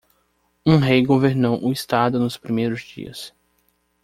Um rei governou o estado nos primeiros dias.